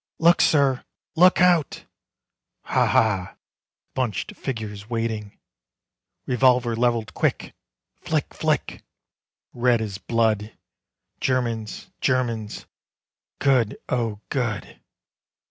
"Look, sir. Look out!" Ha! ha! Bunched figures waiting. Revolver levelled quick! Flick! Flick! Red as blood. Germans. Germans. Good! O good!